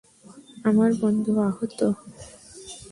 আমার বন্ধু আহত!